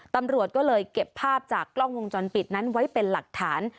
ตำรวจก็เลยเก็บภาพจากกล้องวงจรปิดนั้นไว้เป็นหลักฐาน